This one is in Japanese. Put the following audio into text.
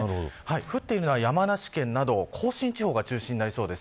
降っているのは山梨県など甲信地方が中心になりそうです。